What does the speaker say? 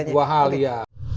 dua hal ya